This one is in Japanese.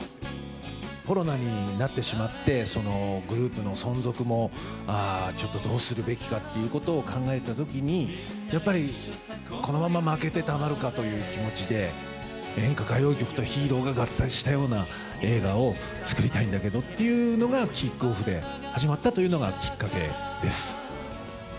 コロナになってしまって、グループの存続も、ちょっとどうするべきかということを考えたときに、やっぱりこのまま負けてたまるかという気持ちで、演歌・歌謡曲とヒーローが合体したような映画を作りたいんだけどっていうのがキックオフで始まったというのが、きっかけです。